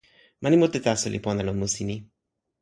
mani mute taso li pona lon musi ni.